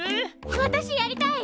私やりたい！